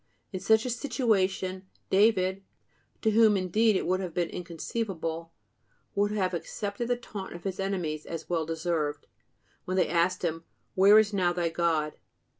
In such a situation, David (to whom indeed it would have been inconceivable) would have accepted the taunt of his enemies as well deserved, when they asked him: "Where is now thy God?"